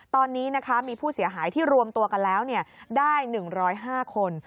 ตอนนี้นะคะมีผู้เสียหายที่รวมตัวกันแล้วได้๑๐๕คน